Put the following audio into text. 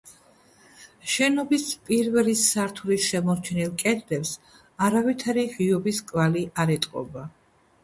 შენობის პირველი სართულის შემორჩენილ კედლებს არავითარი ღიობის კვალი არ ეტყობა.